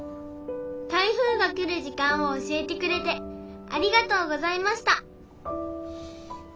「台風がくる時間をおしえてくれてありがとうございました」。